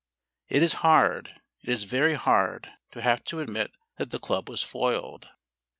It is hard, it is very hard, to have to admit that the club was foiled.